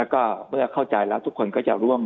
ก็เมื่อเข้าใจแล้วทุกคนลองมาดูกัน